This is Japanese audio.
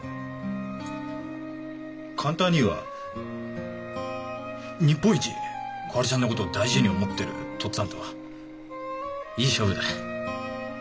勘太あにぃは日本一小春ちゃんの事を大事に思ってるとっつぁんといい勝負だ。